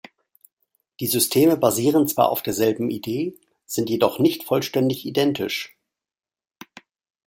Die Systeme basieren zwar auf derselben Idee, sind jedoch nicht vollständig identisch.